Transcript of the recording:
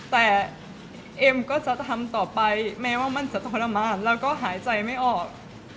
แต่เอ็มก็จะทำต่อไปแม้ว่ามันจะทรมานแล้วก็หายใจไม่ออก